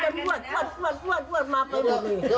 พี่เป็นรวดมาประมาณนี้